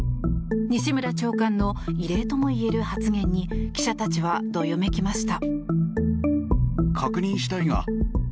西村長官の異例ともいえる発言に記者たちはどよめきました。